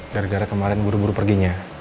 gara gara kemarin buru buru perginya